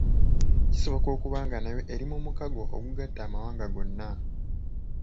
Kisoboka okuba nga nayo eri mu mukago ogugatta amawanga gonna.